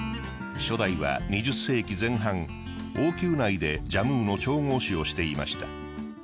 初代は２０世紀前半王宮内でジャムウの調合師をしていました。